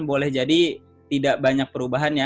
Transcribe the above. boleh jadi tidak banyak perubahan ya